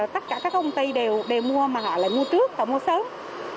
tất cả các công ty đều mua mà họ lại mua trước họ mua sớm